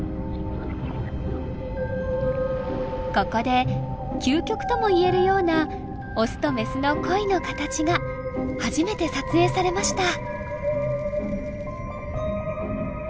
ここで究極ともいえるようなオスとメスの恋の形が初めて撮影されました。